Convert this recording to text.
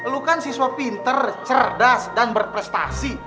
lu kan siswa pinter cerdas dan berprestasi